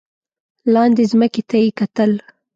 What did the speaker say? لاندې ځمکې ته یې کتل.